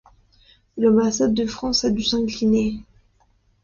L'ambassade de France a dû s'incliner.